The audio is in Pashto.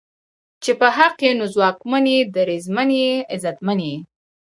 چې په حق ئې نو ځواکمن یې، دریځمن یې، عزتمن یې